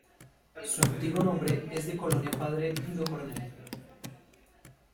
Su antiguo nombre es de Colonia Padre Guido Coronel.